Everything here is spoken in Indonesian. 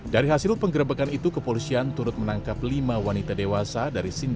dari hasil penggerebekan itu kepolisian turut menangkap lima wanita dewasa